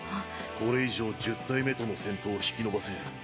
これ以上１０体目との戦闘を引き延ばせん。